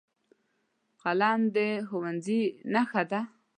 قلم د ښوونځي نښه ده